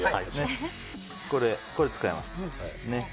これを使います。